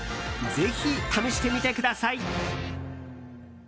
ぜひ試してみてください。